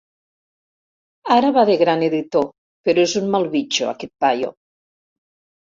Ara va de gran editor, però és un mal bitxo, aquest paio.